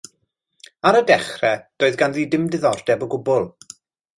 Ar y dechrau doedd ganddi ddim diddordeb o gwbl.